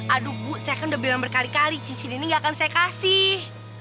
aduh bu saya kan udah bilang berkali kali cincin ini gak akan saya kasih